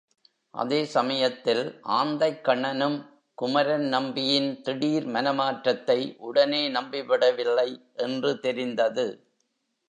அதே சமயத்தில் ஆந்தைக்கண்ணனும் குமரன் நம்பியின் திடீர் மனமாற்றத்தை உடனே நம்பிவிடவில்லை என்று தெரிந்தது.